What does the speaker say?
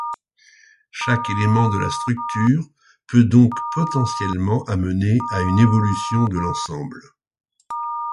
Chaque élément de la structure peut donc potentiellement amener à une évolution de l'ensemble.